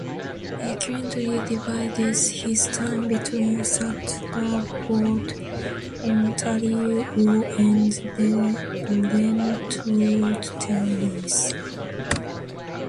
He currently divides his time between Stratford, Ontario and Brentwood, Tennessee.